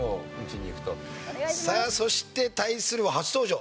さあそして対するは初登場